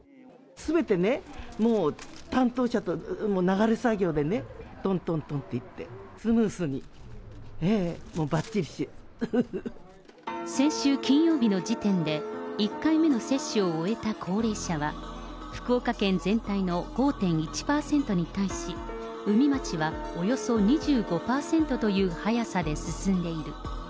すべてね、もう担当者と流れ作業でね、とんとんとんっていって、スムーズに、ええ、先週金曜日の時点で、１回目の接種を終えた高齢者は、福岡県全体の５．１％に対し、宇美町はおよそ２５％という速さで進んでいる。